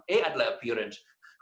ini adalah keuntungan